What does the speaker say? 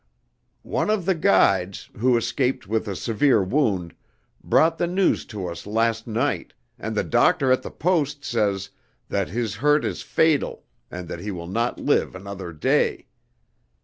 "One of the guides, who escaped with a severe wound, brought the news to us last night, and the doctor at the Post says that his hurt is fatal and that he will not live another day.